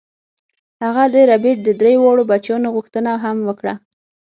هغه د ربیټ د درې واړو بچیانو غوښتنه هم وکړه